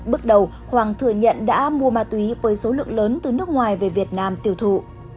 bước đầu hoàng thừa nhận đã mua ma túy với số lượng lớn từ nước ngoài về việt nam tiêu thụ